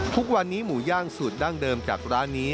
ทุกวันนี้หมูย่างสูตรดั้งเดิมจากร้านนี้